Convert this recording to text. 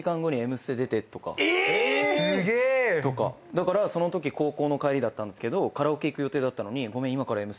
⁉だからそのとき高校の帰りだったんですけどカラオケ行く予定だったのに。